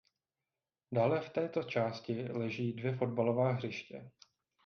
Dále v této části leží dvě fotbalová hřiště.